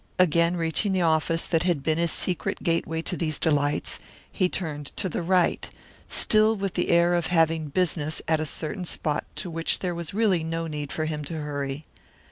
Again reaching the office that had been his secret gateway to these delights, he turned to the right, still with the air of having business at a certain spot to which there was really no need for him to hurry.